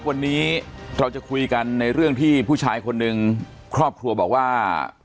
วันนี้เราจะคุยกันในเรื่องที่ผู้ชายคนหนึ่งครอบครัวบอกว่า